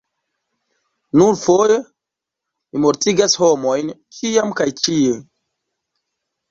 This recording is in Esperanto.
"Nur foje? Mi mortigas homojn ĉiam kaj ĉie."